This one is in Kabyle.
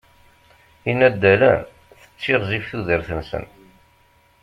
Inaddalen, tettiɣzif tudert-nsen.